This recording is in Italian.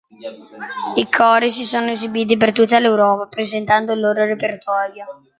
I cori si sono esibiti per tutta l'Europa, presentando il loro repertorio.